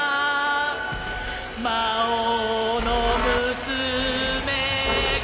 魔王の娘が